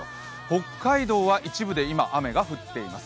北海道は一部で今、雨が降っています。